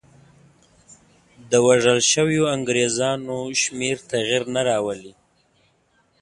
د وژل شویو انګرېزانو شمېر تغییر نه راولي.